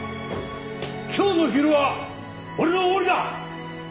今日の昼は俺のおごりだ！